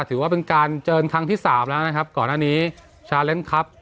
ถือว่าเป็นการเจอกันครั้งที่สามแล้วนะครับก่อนหน้านี้ชาเล็มครับ